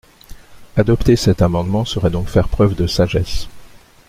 Adopter cet amendement serait donc faire preuve de sagesse.